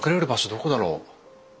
どこだろう。